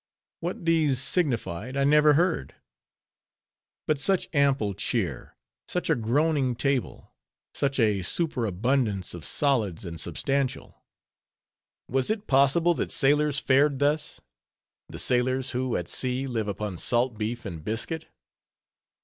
What these signified I never heard. But such ample cheer! Such a groaning table! Such a superabundance of solids and substantial! Was it possible that sailors fared thus?—the sailors, who at sea live upon salt beef and biscuit?